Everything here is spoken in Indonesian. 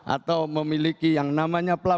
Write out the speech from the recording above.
atau memiliki yang namanya